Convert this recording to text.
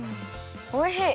おいしい！